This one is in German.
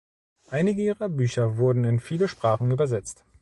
Einige ihrer Bücher wurden in viele Sprachen übersetzt.